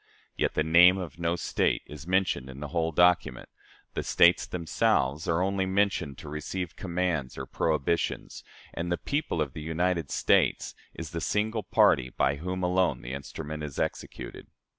Yet the name of no State is mentioned in the whole document; the States themselves are only mentioned to receive commands or prohibitions; and the 'people of the United States' is the single party by whom alone the instrument is executed.